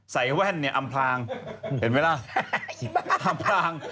ใส่แว่นเนี้ยอำพลางเห็นมั้ยล่ะ